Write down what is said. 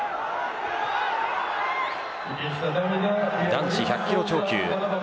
男子１００キロ超級。